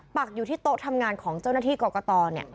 ปักอยู่ที่โต๊ะทำงานของเจ้าหน้าที่กรกต